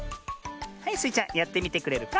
はいスイちゃんやってみてくれるか？